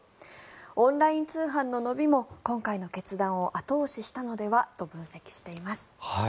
オンライン通販の伸びも今回の決断を後押ししたのではと分析しています。